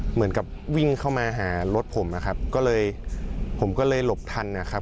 เหมือนกับวิ่งเข้ามาหารถผมนะครับก็เลยผมก็เลยหลบทันนะครับ